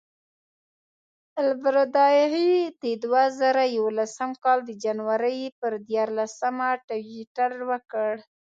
البرادعي د دوه زره یولسم کال د جنورۍ پر دیارلسمه ټویټر وکړ.